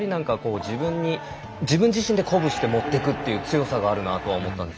自分自身で鼓舞してもっていく強さがあるなと思ったんです。